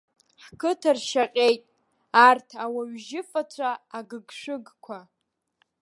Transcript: Ҳқыҭа ршьаҟьеит, арҭ ауаҩжьыфацәа, агыгшәыгқәа!